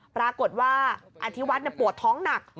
ปรากฏว่าอธิวัฒน์ปวดท้องหนัก